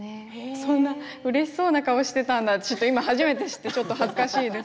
そんなうれしそうな顔をしていたんだと今初めて知って恥ずかしいです。